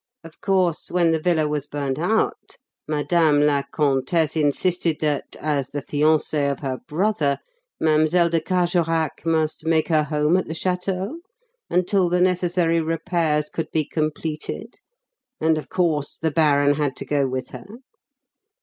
Of course, when the villa was burnt out, Madame la Comtesse insisted that, as the fiancée of her brother, Mlle. de Carjorac must make her home at the Château until the necessary repairs could be completed; and, of course, the baron had to go with her?"